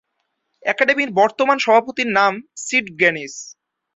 একাডেমির বর্তমান সভাপতির নাম সিড গেনিস।